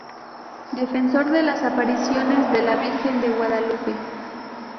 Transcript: Defensor de las apariciones de la Virgen de Guadalupe.